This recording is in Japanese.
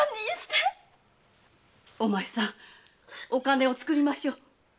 お前さんお金をつくりましょう。